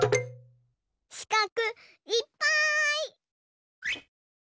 しかくいっぱい！